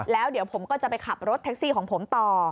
แล้วเดี๋ยวผมก็จะไปขับรถแท็กซี่ของผมต่อ